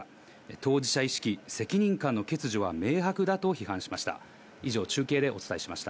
当事者意識、責任感の欠如は明白だと批判しました。